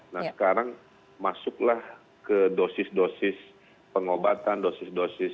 nah sekarang masuklah ke dosis dosis pengobatan dosis dosis